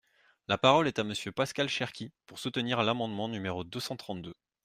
La parole est à Monsieur Pascal Cherki, pour soutenir l’amendement numéro deux cent trente-deux.